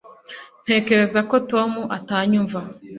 Ntekereza ko Tom atanyumva